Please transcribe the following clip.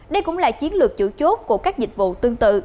đây cũng là chiến lược chủ chốt của các dịch vụ tương tự